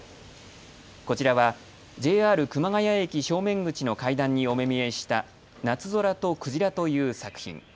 こちらはＪＲ熊谷駅正面口の階段にお目見えした夏空と鯨という作品。